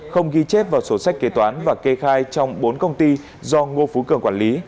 không ghi chép vào sổ sách kế toán và kê khai trong bốn công ty do ngô phú cường quản lý